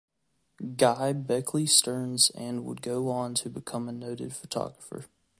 Guy Beckley Stearns and would go on to become a noted photographer.